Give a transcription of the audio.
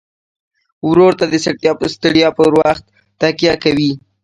ورور ته د ستړیا پر وخت تکیه کوي.